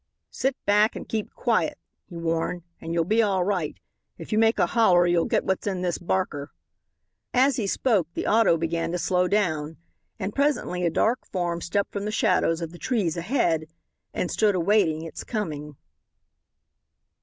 "Sit back and keep quiet," he warned, "and you'll be all right. If you make a holler you'll get what's in this barker." As he spoke the auto began to slow down, and presently a dark form stepped from the shadows of the trees ahead and stood awaiting its coming.